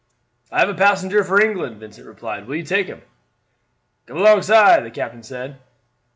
"I have a passenger for England," Vincent replied. "Will you take him?" "Come alongside," the captain said.